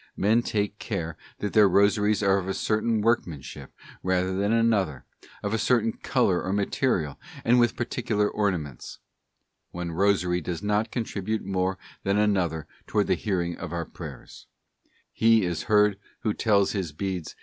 Men take care that their Rosaries are of a certain workmanship rather than another, of a certain colour or material, and with particular ornaments. One rosary does not contribute more than another towards the hearing of our prayers: he is heard who tells his beads ae USE AND ABUSE OF IMAGES.